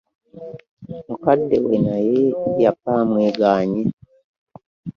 Mukadde we naye yafa amwegaanyi.